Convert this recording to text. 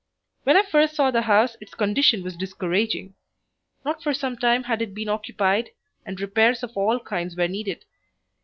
When I first saw the house its condition was discouraging. Not for some time had it been occupied, and repairs of all kinds were needed.